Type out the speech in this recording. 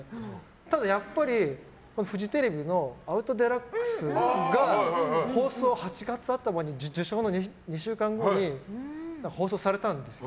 ただ、やっぱりフジテレビの「アウト×デラックス」が受賞の２週間後に放送されたんですよ。